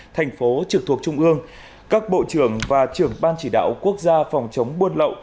thành phố trực thuộc trung ương các bộ trưởng và trưởng ban chỉ đạo quốc gia phòng chống buôn lậu